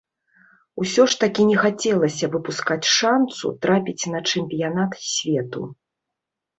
Усё ж такі не хацелася выпускаць шанцу трапіць на чэмпіянат свету.